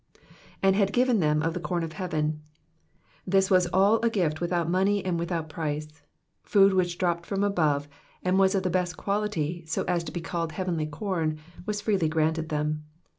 '•''And had given tfiem of the corn of heave", ''^ It was all a gift without money and without price. Food which dropped from above, and was of the best quality, so as to be called heavenly corn, was freely grunted them.